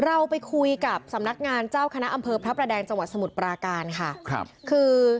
เขาไปคุยกับสำนักงานเจ้าคณะอำเภอพระพระแดงจสมทประการคือ